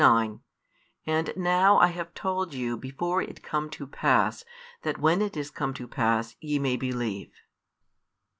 29 And now I have told you before it come to pass, that when it is come to pass, ye may believe.